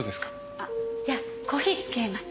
あっじゃあコーヒーつきあいます。